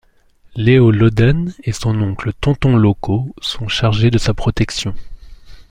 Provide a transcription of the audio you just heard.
Léo Loden et son oncle Tonton Loco sont chargés de sa protection.